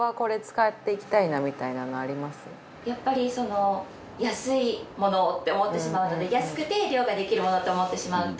やっぱりその安いものをって思ってしまうので安くて量ができるものって思ってしまうと。